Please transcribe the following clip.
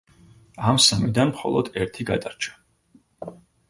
ამ სამიდან მხოლოდ ერთი გადარჩა.